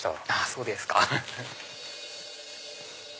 そうですか。